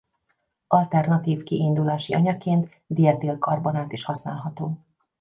Alternatív kiindulási anyagként dietil-karbonát is használható.